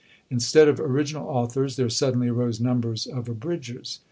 Instead of original authors, there suddenly arose numbers of Abridgers.